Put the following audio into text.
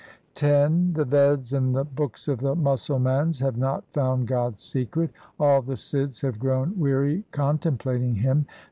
X The Veds and the books of the Musalmans have not found God's secret ; all the Sidhs have grown weary con templating Him.